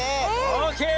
オーケー！